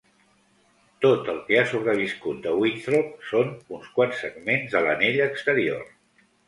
Tot el que ha sobreviscut de Winthrop són uns quants segments de l"anella exterior.